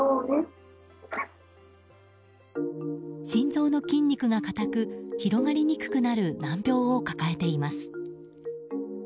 心臓の筋肉が硬く広がりにくくなる難病を抱えています。